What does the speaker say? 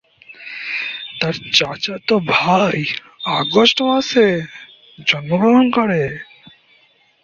তার চাচাতো ভাই আগস্ট মাসে জন্মগ্রহণ করে।